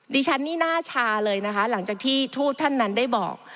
ดิฉันนี่หน้าชาเลยนะคะหลังจากที่ทูตท่านนั้นได้บอก